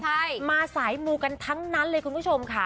ใช่มาสายมูกันทั้งนั้นเลยคุณผู้ชมค่ะ